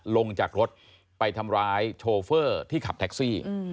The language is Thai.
ลงจากรถไปทำร้ายโชเฟอร์ที่ขับแท็กซี่